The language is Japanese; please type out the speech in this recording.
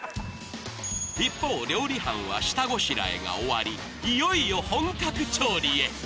一方、料理班は下ごしらえが終わり、いよいよ本格調理へ。